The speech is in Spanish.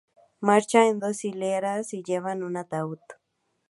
Marchan en dos hileras y llevan un ataúd.